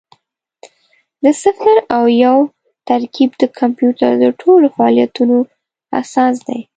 د صفر او یو ترکیب د کمپیوټر د ټولو فعالیتونو اساس دی.